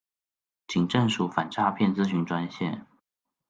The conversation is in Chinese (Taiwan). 警政署反詐騙諮詢專線